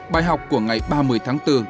bài học của ngày ba mươi tháng bốn